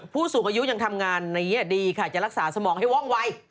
ผู้สูงอายุจำทำงานอย่างนี้ดีค่ะจะรักษาสมองให้ว่องไว